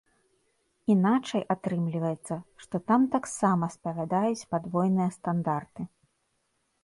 Іначай атрымліваецца, што там таксама спавядаюць падвойныя стандарты.